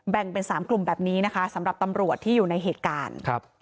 แบ่งเป็น๓กลุ่มแบบนี้นะคะสำหรับตำรวจที่อยู่ในเหตุการณ์ครับ